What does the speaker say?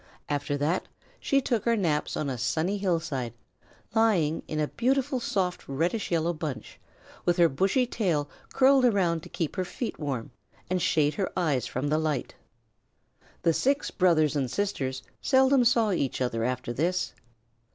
After that, she took her naps on a sunny hillside, lying in a beautiful soft reddish yellow bunch, with her bushy tail curled around to keep her feet warm and shade her eyes from the light. The six brothers and sisters seldom saw each other after this.